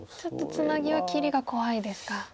ちょっとツナギは切りが怖いですか。